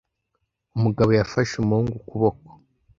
Umugabo yafashe umuhungu ukuboko.